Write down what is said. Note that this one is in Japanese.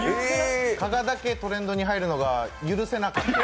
加賀だけトレンドに入るのが許せなくて。